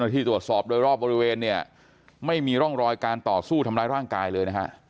ที่ตรวจสอบโดยรอบบริเวณเนี่ยไม่มีร่องรอยการต่อสู้ทำร้ายร่างกายเลยนะฮะ